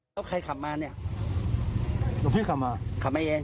แล้วใครขับมาเนี่ย